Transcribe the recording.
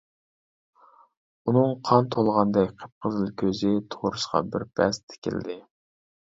ئۇنىڭ قان تولغاندەك قىپقىزىل كۆزى تورۇسقا بىر پەس تىكىلدى.